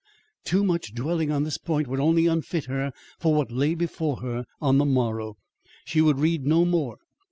too much dwelling on this point would only unfit her for what lay before her on the morrow. She would read no more.